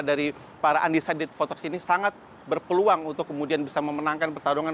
dari para undecided voters ini sangat berpeluang untuk kemudian bisa memenangkan pertarungan